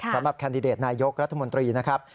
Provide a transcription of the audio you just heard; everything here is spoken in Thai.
สำหรับแคนดิเดตนายกรัฐมนตรีนะครับ